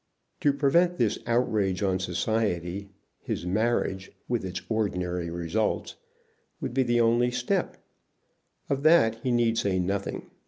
To prevent this outrage on society, his marriage, with its ordinary results, would be the only step. Of that he need say nothing.